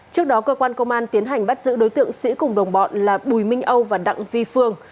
trước đó cơ quan công an tiến hành bắt giữ đối tượng sĩ cùng đồng bọn là bùi minh âu và đặng vi phương